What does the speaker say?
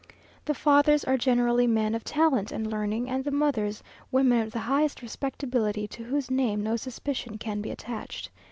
The fathers are generally men of talent and learning, and the mothers, women of the highest respectability, to whose name no suspicion can be attached.